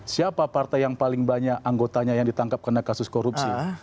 siapa partai yang paling banyak anggotanya yang ditangkap karena kasus korupsi